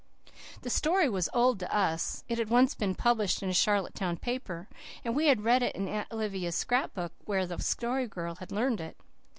The story was old to us. It had once been published in a Charlottetown paper, and we had read in Aunt Olivia's scrapbook, where the Story Girl had learned it.